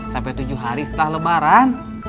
sampai tujuh hari setelah lebaran